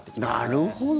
なるほど。